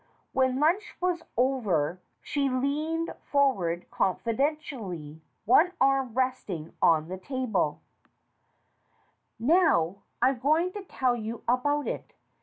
When lunch was over she leaned forward confidentially, one arm resting on the table. 222 STORIES WITHOUT TEARS "Now I'm going to tell you about it.